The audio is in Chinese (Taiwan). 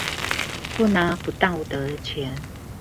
不拿不道德的錢